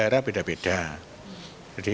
jadi orang tua tidak perlu bayar spp